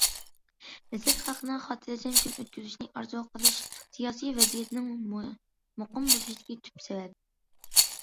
مىسىر خەلقىنىڭ خاتىرجەم كۈن ئۆتكۈزۈشنى ئارزۇ قىلىشى سىياسىي ۋەزىيەتنىڭ مۇقىم بولۇشىدىكى تۈپ سەۋەب.